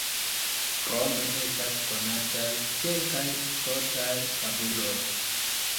Krome estas konataj kelkaj skotaj tabuloj.